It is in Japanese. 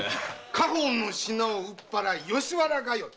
家宝の品を売っぱらい吉原通い！